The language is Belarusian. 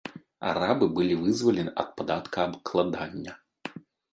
Арабы былі вызвалены ад падаткаабкладання.